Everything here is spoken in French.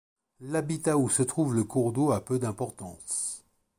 L’habitat où se trouve le cours d’eau a peu d’importance.